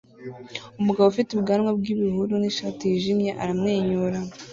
Umugabo ufite ubwanwa bwibihuru nishati yijimye aramwenyura